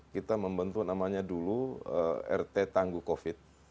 kita membentuk namanya dulu rt tangguh covid